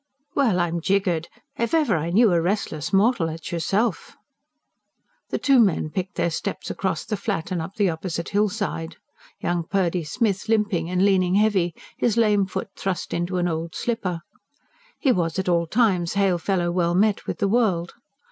"Well, I'm jiggered! If ever I knew a restless mortal, it's yourself." The two men picked their steps across the Flat and up the opposite hillside, young Purdy Smith limping and leaning heavy, his lame foot thrust into an old slipper. He was at all times hail fellow well met with the world.